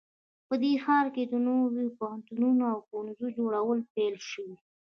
په دې ښار کې د نوو پوهنتونونو او ښوونځیو جوړول پیل شوي